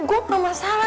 gue gak masalah